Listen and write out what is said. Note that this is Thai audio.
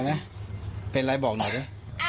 มันจะเอาร่างไปพี่